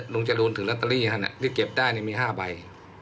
ลุงจรูนถือรัตเตอรี่ฮะเนี่ยที่เก็บได้เนี่ยมีห้าใบ